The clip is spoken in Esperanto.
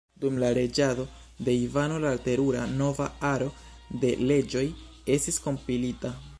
Dum la reĝado de Ivano la Terura nova aro de leĝoj estis kompilita.